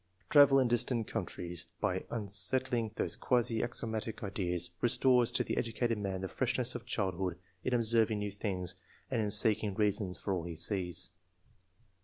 Travel in distant countries, by unsettling these quasi axiomatic ideas, restores to the educated man the freshness of childhood in observing new things and in seeking reasons for all he sees.